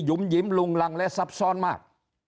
หยุมหยิมหลุงหลังและซับซ่อนมาก